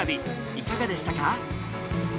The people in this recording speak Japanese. いかがでしたか？